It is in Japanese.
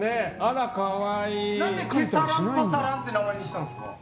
何でケサランパサランって名前にしたんですか？